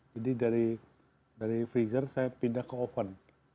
jadi dari freezer saya pindah ke oven